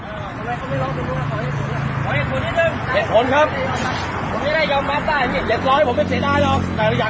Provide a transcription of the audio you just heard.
เออทำไมเขาไม่ล๊อคถึงล๊อคขอเอ็ดผลนะ